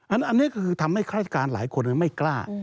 อันนี้ก็คือทำให้ฆาติการหลายคนไม่กล้า